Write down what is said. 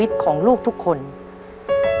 จะทำเวลาไหมครับเนี่ย